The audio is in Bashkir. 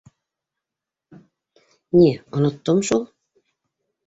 — Ни, оноттом шул...